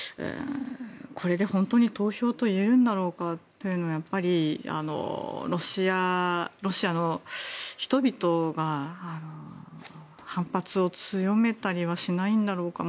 これで本当に投票といえるのだろうかというのはロシアの人々が反発を強めたりはしないんだろうか。